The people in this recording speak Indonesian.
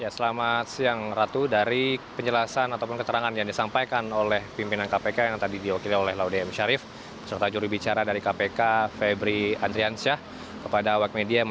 selamat siang heranov